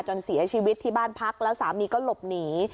จนเสียชีวิตที่บ้านพักแล้วสามีก็หลบหนี